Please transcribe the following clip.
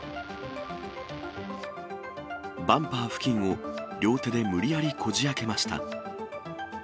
バンパー付近を両手で無理やりこじあけました。